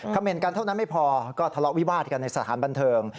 เมนต์กันเท่านั้นไม่พอก็ทะเลาะวิวาดกันในสถานบันเทิง